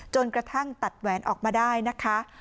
กระทั่งตัดแหวนออกมาได้นะคะ